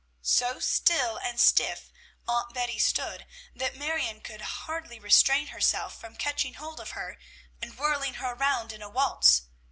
So still and stiff Aunt Betty stood that Marion could hardly restrain herself from catching hold of her and whirling her around in a waltz.